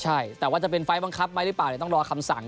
ใช่แต่ว่าจะเป็นไฟล์บังคับไหมหรือเปล่าเดี๋ยวต้องรอคำสั่ง